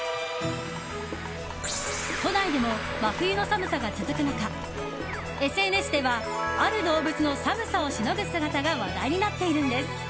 都内でも真冬の寒さが続く中ＳＮＳではある動物の寒さをしのぐ姿が話題になっているんです。